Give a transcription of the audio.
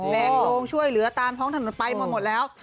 ลงช่วยเหลือตามท้องถนนไปมาหมดแล้ว